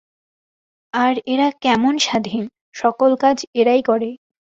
আর এরা কেমন স্বাধীন! সকল কাজ এরাই করে।